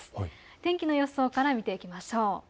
天気の予想から見てみましょう。